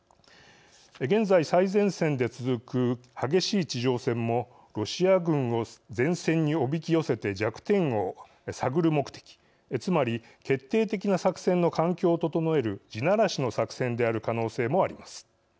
現在最前線で続く激しい地上戦もロシア軍を前線におびき寄せて弱点を探る目的つまり決定的な作戦の環境を整える地ならしの作戦である可能性もあります。